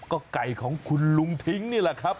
ก็ไก่ของคุณลุงทิ้งนี่แหละครับ